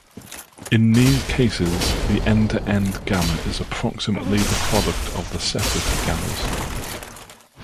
In these cases the end-to-end gamma is approximately the product of the separate gammas.